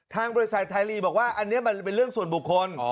ทางบริษัทไทยลีบอกว่าอันนี้มันเป็นเรื่องส่วนบุคคล